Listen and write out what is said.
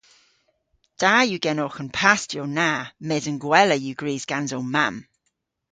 Da yw genowgh an pastiow na mes an gwella yw gwrys gans ow mamm.